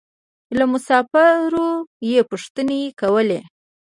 له مسافرو يې پوښتنې کولې.